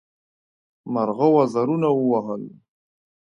مرغه وزرونه ووهل.